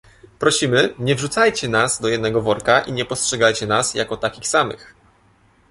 "Prosimy, nie wrzucajcie nas do jednego worka i nie postrzegajcie nas jako takich samych